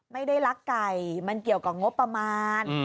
ไม่ได้รักไก่มันเกี่ยวกับงบประมาณ